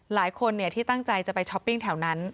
หลายคนที่ตั้งใจจะไปช้อปปิ้งแถวนั้น